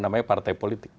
namanya partai politik